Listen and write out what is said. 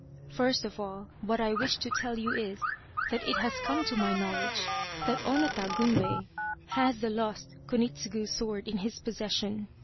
" First of all what I wish to tell you is, that it has come to my knowledge that Onota Gunbei has the lost Kunitsugu sword in his possession.